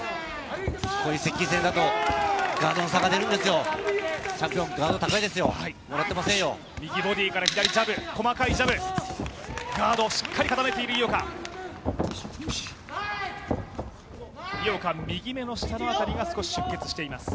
こういう接近戦だとガードの差が出るんですよ。